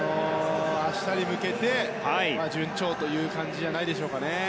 明日に向けて、順調という感じじゃないでしょうかね。